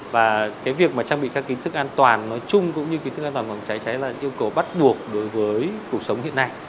và việc trang bị các kiến thức an toàn nói chung cũng như kiến thức an toàn phòng cháy cháy là yêu cầu bắt buộc đối với cuộc sống hiện nay